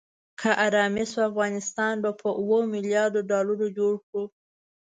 که آرامي شوه افغانستان به په اوو ملیاردو ډالرو جوړ کړو.